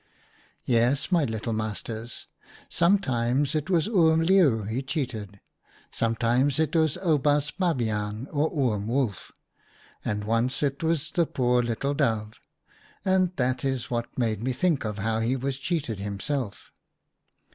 M Yes, my little masters, sometimes it was Oom Leeuw he cheated, sometimes it was Oubaas Babiaan or Oom Wolf, and once it was the poor little Dove, and that is what made me think of how he was cheated him self."